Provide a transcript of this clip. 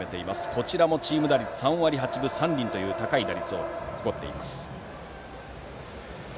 こちらもチーム打率３割８分３厘という高い打率を誇っています。